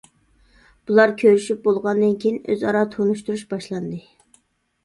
بۇلار كۆرۈشۈپ بولغاندىن كېيىن، ئۆزئارا تونۇشتۇرۇش باشلاندى.